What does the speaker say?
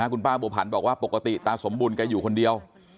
คุณป้าบัวผันบอกว่าปกติตาสมบูรณแกอยู่คนเดียว